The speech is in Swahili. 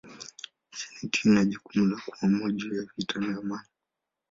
Senati ina jukumu la kuamua juu ya vita na amani.